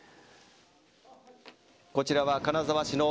こちらは金沢市の。